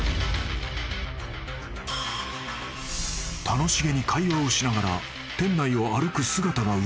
［楽しげに会話をしながら店内を歩く姿が写っていた］